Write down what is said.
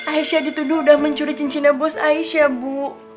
aisyah dituduh udah mencuri cincinnya bos aisyah bu